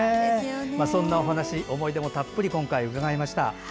そんなお話、思い出もたっぷり伺いました。